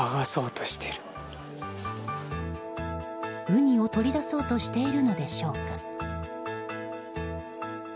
ウニを取り出そうとしているのでしょうか。